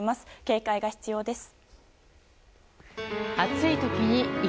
警戒が必要です。